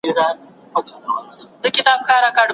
هغه د مشرانو او عالمانو مشورې د حکومتدارۍ لپاره مهمې ګڼلې.